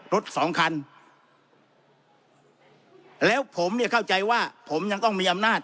รถสองคันแล้วผมเนี่ยเข้าใจว่าผมยังต้องมีอำนาจ